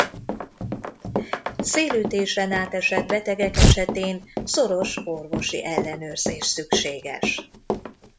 Szélütésen átesett betegek esetén szoros orvosi ellenőrzés szükséges.